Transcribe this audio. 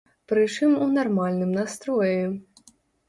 Прычым у нармальным настроі.